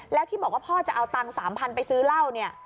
แล้วที่บอกว่าพ่อจะเอาตังค์๓๐๐ไปซื้อเหล้าเนี่ย